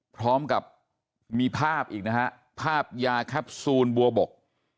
พร้อมกับมีภาพอีกนะฮะภาพยาแคปซูลบัวบก